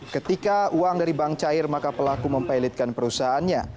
ketika uang dari bank cair maka pelaku mempilotkan perusahaannya